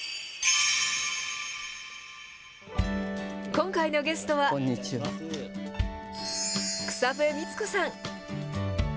今回のゲストは、草笛光子さん。